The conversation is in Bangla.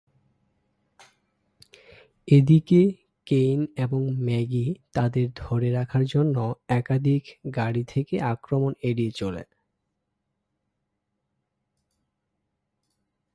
এদিকে, কেইন এবং ম্যাগি তাদের ধরে রাখার জন্য একাধিক গাড়ি থেকে আক্রমণ এড়িয়ে চলে।